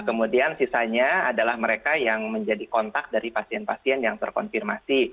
kemudian sisanya adalah mereka yang menjadi kontak dari pasien pasien yang terkonfirmasi